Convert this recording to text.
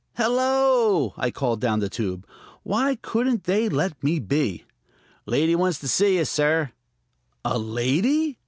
"Hello!" I called down the tube. Why couldn't they let me be? "Lady wants to see you, sir." "A lady!"